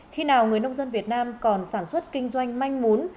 khi nào người nông dân việt nam còn sản xuất kinh doanh manh mún